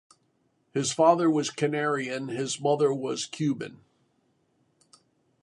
His father was Canarian and his mother was Cuban.